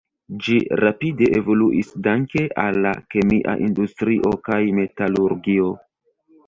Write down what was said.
Ĝi rapide evoluis danke al la kemia industrio kaj metalurgio.